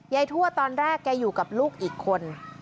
ทั่วตอนแรกแกอยู่กับลูกอีกคน